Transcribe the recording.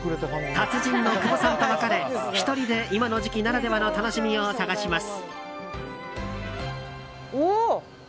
達人の久保さんと別れ１人で今の時期ならではの楽しみを探します。